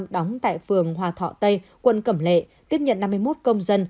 đóng tại phường hòa thọ tây quận cẩm lệ tiếp nhận năm mươi một công dân